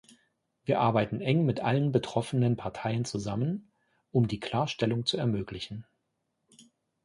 Wir arbeiten eng mit allen betroffenen Parteien zusammen, um die Klarstellung zu ermöglichen.